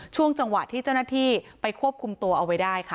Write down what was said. ช่วงจังหวะที่เจ้าหน้าที่ไปควบคุมตัวเอาไว้ได้ค่ะ